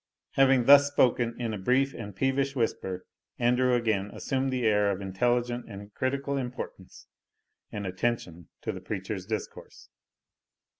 Having thus spoken in a brief and peevish whisper, Andrew again assumed the air of intelligent and critical importance, and attention to the preacher's discourse.